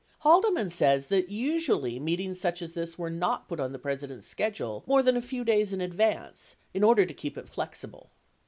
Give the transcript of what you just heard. Haldeman says that usually meetings such as this were not put on the President's schedule more than a few days in advance in order to keep it flexible.